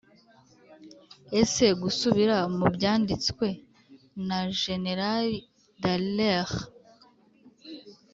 ese gusubira mu byanditswe na jenerali dallaire